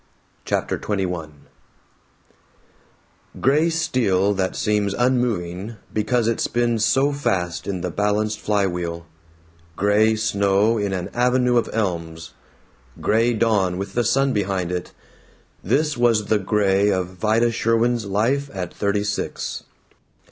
CHAPTER XXI I GRAY steel that seems unmoving because it spins so fast in the balanced fly wheel, gray snow in an avenue of elms, gray dawn with the sun behind it this was the gray of Vida Sherwin's life at thirty six.